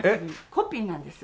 コピーなんです。